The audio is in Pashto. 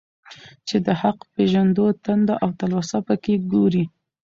چي د حق پېژندو تنده او تلوسه په كي گورې.